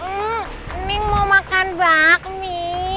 neng neng mau makan bakmi